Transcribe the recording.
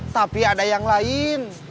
tapi ada yang lain